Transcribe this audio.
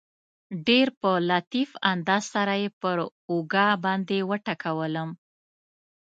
ډېر په لطیف انداز سره یې پر اوږه باندې وټکولم.